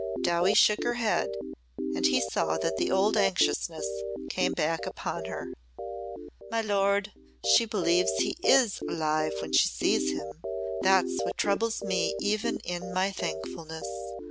Dowie shook her head and he saw that the old anxiousness came back upon her. "My lord, she believes he is alive when she sees him. That's what troubles me even in my thankfulness.